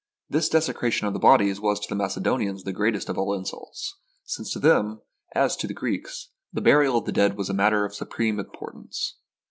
This desecration of the bodies was to the Macedonians the greatest of all insults, since to them, as to the Greeks, the burial of the dead was a matter of supreme impor tance.